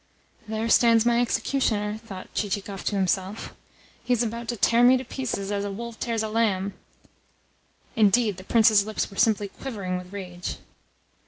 "There stands my executioner," thought Chichikov to himself. "He is about to tear me to pieces as a wolf tears a lamb." Indeed, the Prince's lips were simply quivering with rage.